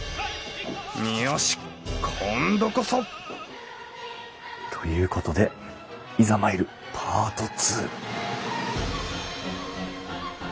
よし今度こそ！ということでいざ参るパート２。